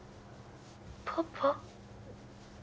パパ？